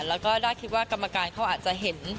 แล้วก็ด้าคิดว่ากรรมการเขาอาจจะเห็น